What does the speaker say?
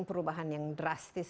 perubahan yang drastis